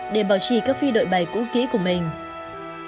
để bảo trì các phi đội bày cũ kỹ của mình